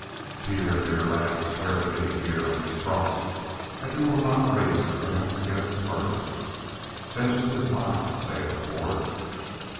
"Pierre, dear lad, swear to me here on this cross that you will not raise your hands against the murderer. 'Vengeance is mine, saith the Lord.'"